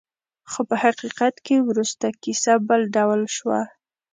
خو په حقیقت کې وروسته کیسه بل ډول شوه.